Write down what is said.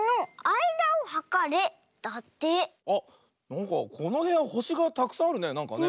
あっなんかこのへやほしがたくさんあるねなんかね。